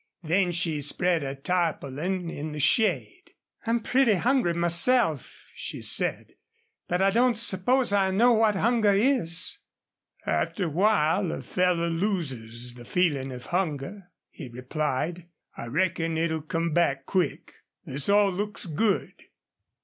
Then she spread a tarpaulin in the shade. "I'm pretty hungry myself," she said. "But I don't suppose I know what hunger is." "After a while a fellow loses the feelin' of hunger," he replied. "I reckon it'll come back quick.... This all looks good."